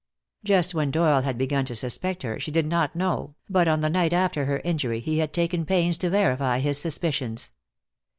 Just when Doyle had begun to suspect her she did not know, but on the night after her injury he had taken pains to verify his suspicions.